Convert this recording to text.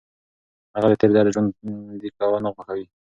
هغه د تېر درد ژوندي کول نه خوښول.